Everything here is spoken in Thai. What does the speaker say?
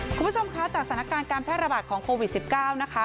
คุณผู้ชมคะจากสถานการณ์การแพร่ระบาดของโควิด๑๙นะคะ